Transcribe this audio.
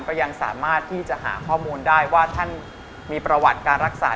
ก็ยังสามารถที่จะหาข้อมูลได้ว่าท่านมีประวัติการรักษา